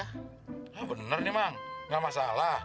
hah bener nih mang gak masalah